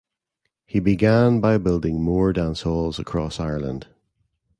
He began by building more dance halls across Ireland.